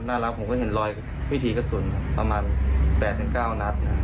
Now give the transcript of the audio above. หลังผมก็เห็นรอยวิถีกระสุนประมาณ๘๙นัด